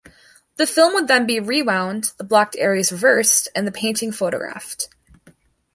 The film would then be rewound, the blocked areas reversed, and the painting photographed.